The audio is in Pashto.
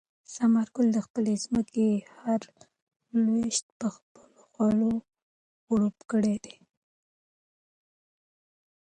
ثمر ګل د خپلې ځمکې هره لوېشت په خپلو خولو خړوبه کړې ده.